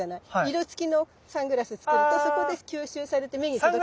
色つきのサングラス着けるとそこで吸収されて目に届かない。